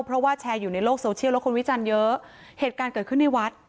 เพราะว่าแชร์อยู่ในโลกโซเชียลแล้วคนวิจารณ์เยอะเหตุการณ์เกิดขึ้นในวัด